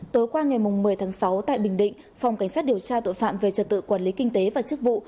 tối qua ngày một mươi tháng sáu tại bình định phòng cảnh sát điều tra tội phạm về trật tự quản lý kinh tế và chức vụ